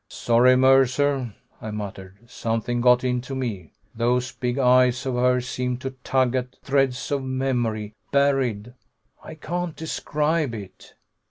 "Sorry, Mercer," I muttered. "Something got into me. Those big eyes of hers seemed to tug at threads of memory ... buried.... I can't describe it...."